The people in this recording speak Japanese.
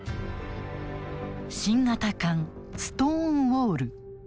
新型艦ストーンウォール。